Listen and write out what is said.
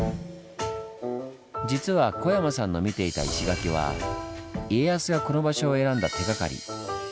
実は小山さんの見ていた石垣は家康がこの場所を選んだ手がかり。